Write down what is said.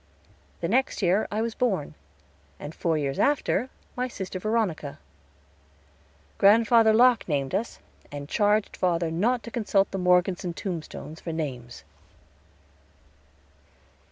The next year I was born, and four years after, my sister Veronica. Grandfather Locke named us, and charged father not to consult the Morgeson tombstones for names.